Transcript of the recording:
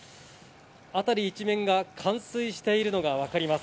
辺り一面が冠水しているのが分かります。